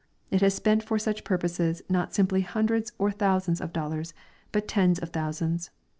It has spent for such purposes not simply hundreds or thousands of dollars, but tens of thousands.